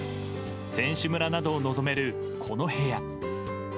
選手村などを臨める、この部屋。